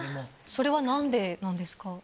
それはなんでなんですか。